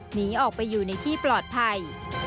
หนีออกไปอยู่ในที่ปลอดภัย